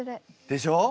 でしょう？